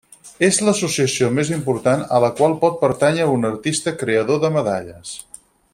És l'associació més important a la qual pot pertànyer un artista creador de medalles.